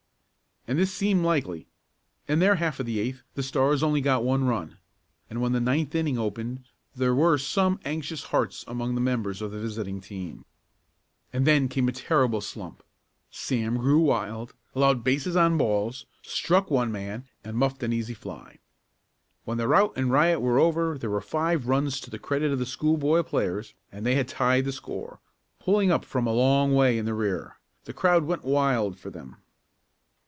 And this seemed likely. In their half of the eighth the Stars only got one run, and when the ninth inning opened there were some anxious hearts among the members of the visiting team. And then came a terrible slump. Sam grew wild, allowed bases on balls, struck one man and muffed an easy fly. When the route and riot were over there were five runs to the credit of the schoolboy players and they had tied the score, pulling up from a long way in the rear. The crowd went wild for them.